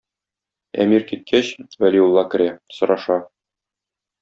Әмир киткәч, Вәлиулла керә, сораша.